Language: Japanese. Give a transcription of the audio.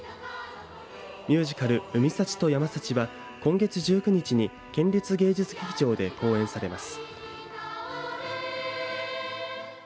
ミュージカル海幸と山幸は今月１９日に県立芸術劇場で公演されます。